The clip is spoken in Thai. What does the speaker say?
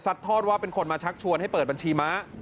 ทอดว่าเป็นคนมาชักชวนให้เปิดบัญชีม้า